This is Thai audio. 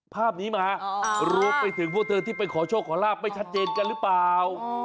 ภาพนี้มารวมไปถึงพวกเธอที่ไปขอโชคขอลาบไม่ชัดเจนกันหรือเปล่า